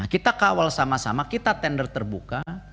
kita kawal sama sama kita tender terbuka